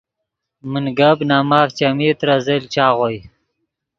من گپ نے ماف چیمین ترے زل چاغوئے